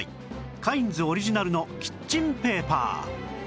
カインズオリジナルのキッチンペーパー